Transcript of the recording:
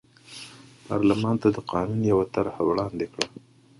پارلمان ته د قانون یوه طرحه وړاندې کړه.